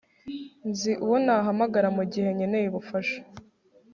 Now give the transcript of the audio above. Nzi uwo nahamagara mugihe nkeneye ubufasha